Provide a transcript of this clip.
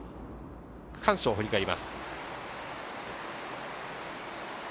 区間賞を振り返ります。